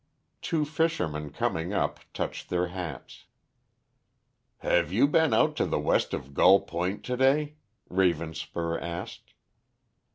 Two fishermen coming up touched their hats. "Have you been out to the west of Gull Point to day?" Ravenspur asked.